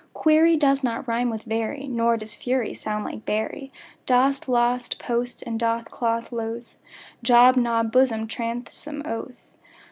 Query does not rime with very, Nor does fury sound like bury. Dost, lost, post and doth, cloth, loth; Job, Job, blossom, bosom, oath.